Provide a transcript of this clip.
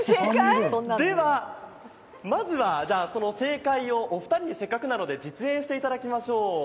では、まずはその正解をお二人に、せっかくなので実演していただきましょう。